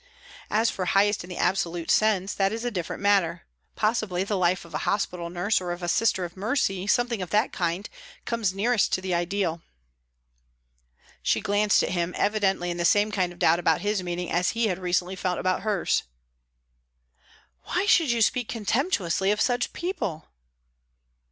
As for highest in the absolute sense, that is a different matter. Possibly the life of a hospital nurse, of a sister of mercy something of that kind comes nearest to the ideal." She glanced at him, evidently in the same kind of doubt about his meaning as he had recently felt about hers. "Why should you speak contemptuously of such people?"